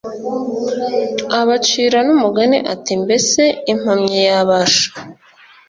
Abacira n umugani ati Mbese impumyi yabasha